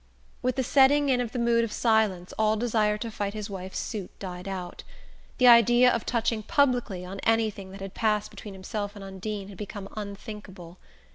With the setting in of the mood of silence all desire to fight his wife's suit died out. The idea of touching publicly on anything that had passed between himself and Undine had become unthinkable.